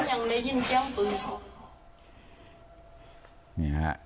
ตอนนั้นคือตอนที่โดนกินกันคือก็ยังคุยอยู่อ่ะ